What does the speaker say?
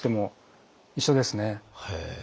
へえ。